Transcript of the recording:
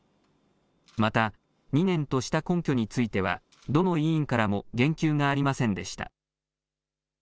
また２年とした根拠についてはどの委員からも言及がありませんでした。